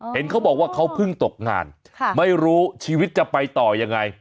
เห็นเขาบอกว่าเขาเพิ่งตกงานไม่รู้ชีวิตจะไปต่อยังไง